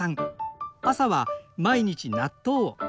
朝は毎日納豆を。